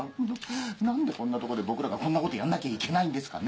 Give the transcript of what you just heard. なんでこんなとこで僕らがこんなことやんなきゃいけないんですかね？